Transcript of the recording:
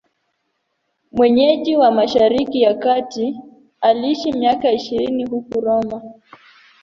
Mwenyeji wa Mashariki ya Kati, aliishi miaka ishirini huko Roma.